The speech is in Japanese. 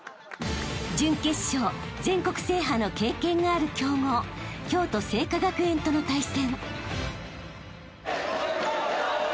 ［準決勝全国制覇の経験がある強豪京都精華学園との対戦］